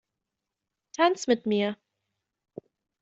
Tanz mit mir!